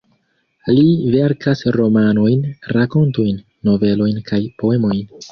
Li verkas romanojn, rakontojn, novelojn kaj poemojn.